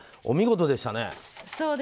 お見事でしたね。